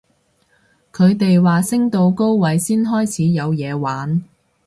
佢哋話升到高位先開始有嘢玩